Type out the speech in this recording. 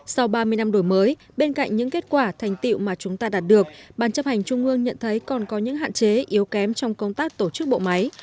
sau ba mươi năm đổi mới bên cạnh những kết quả thành tiệu mà chúng ta đạt được ban chấp hành trung ương nhận thấy còn có những hạn chế yếu kém trong công tác tổ chức bộ máy